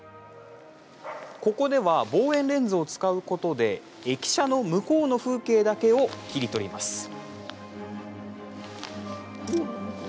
ここでは望遠レンズを使うことで駅舎の向こうの風景だけを切り取ります。